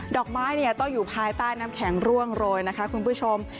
อกไม้ต้องอยู่ภายใต้น้ำแข็งร่วงโรยนะคะคุณผู้ชม